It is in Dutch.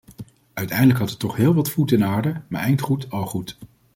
Uiteindelijk had het toch heel wat voeten in aarde, maar eind goed al goed!